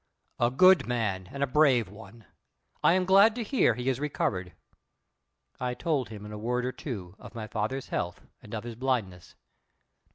"A good man and a brave one. I am glad to hear he is recovered." I told him in a word or two of my father's health and of his blindness.